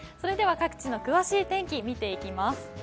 各地の詳しい天気見ていきます。